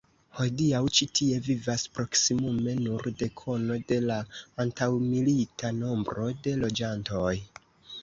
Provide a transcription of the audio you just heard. Hodiaŭ ĉi tie vivas proksimume nur dekono de la antaŭmilita nombro de loĝantoj.